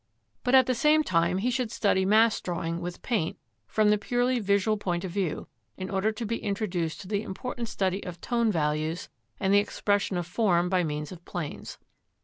But at the same time he should study mass drawing with paint from the purely visual point of view, in order to be introduced to the important study of tone values and the expression of form by means of planes.